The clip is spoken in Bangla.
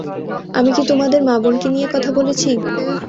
আমি কি তোমাদের মা-বোনকে নিয়ে কথা বলেছি?